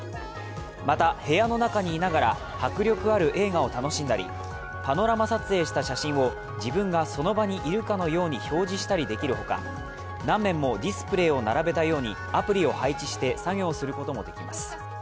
また、部屋の中にいながら迫力ある映画を楽しんだりパノラマ撮影した写真を自分がその場にいるかのように表示したりできるほか、何面もディスプレーを並べたようにアプリを配置して作業することもできます。